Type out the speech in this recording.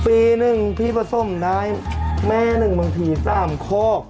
ปีหนึ่งพี่ผสมได้แม่หนึ่งบางที๓คอก